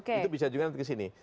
itu bisa juga nanti ke sini